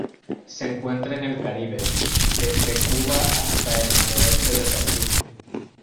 Se encuentra en el Caribe: desde Cuba hasta el noreste de Brasil.